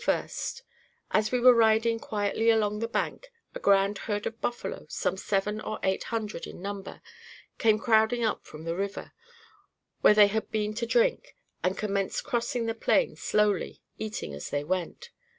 _ As we were riding quietly along the bank, a grand herd of buffalo, some seven or eight hundred in number, came crowding up from the river, where they had been to drink, and commenced crossing the plain slowly, eating as they went.